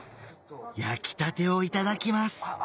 焼きたてをいただきます